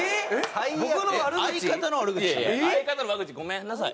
相方の悪口ごめんなさい。